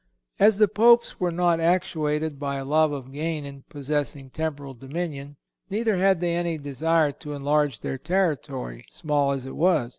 As the Popes were not actuated by a love of gain in possessing temporal dominion, neither had they any desire to enlarge their territory, small as it was.